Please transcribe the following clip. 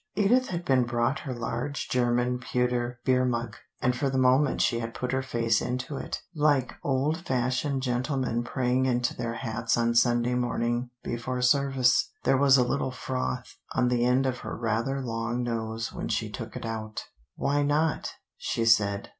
Edith had been brought her large German pewter beer mug, and for the moment she had put her face into it, like old fashioned gentlemen praying into their hats on Sunday morning before service. There was a little froth on the end of her rather long nose when she took it out. "Why not?" she said.